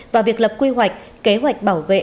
và việc lập quy hoạch kế hoạch bảo vệ